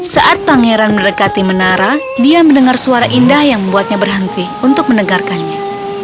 saat pangeran mendekati menara dia mendengar suara indah yang membuatnya berhenti untuk mendengarkannya